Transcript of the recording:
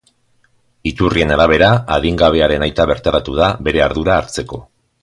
Iturrien arabera, adingabearen aita bertaratu da, bere ardura hartzeko.